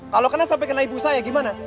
kalau kena sampai kena ibu saya gimana